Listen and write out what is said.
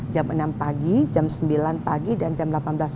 jam enam pagi jam sembilan pagi dan jam delapan belas tiga puluh